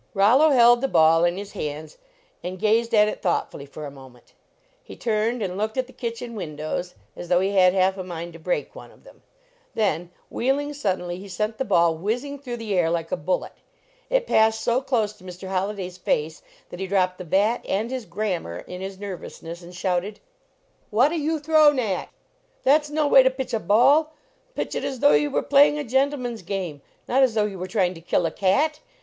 Rollo held the ball in his hands and gazed 5 65 LEARNING TO PLAY at it thoughtfully for a moment ; he turned and looked at the kitchen windows as though he had half a mind to break one of them ; then wheeling suddenly he sent the ball whizzing through the air like a bullet. It passed so close to Mr. Holliday s face that he dropped the bat and his grammar in his nervousness and shouted :" Whata you throw nat? That s noway to pitch a ball ! Pitch it as though you were playing a gentleman s game; not as though you were trying to kill a cat!